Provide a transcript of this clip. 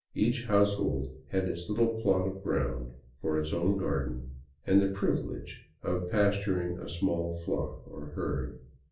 Each household had its little plot of ground for its own garden, and the privilege of pasturing a small flock or herd.